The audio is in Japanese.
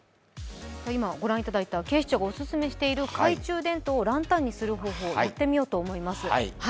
今ご覧いただいた警視庁がお勧めしている懐中電灯をランタンにする方法やってみようと思います。